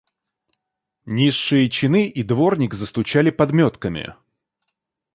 Низшие чины и дворник застучали подметками.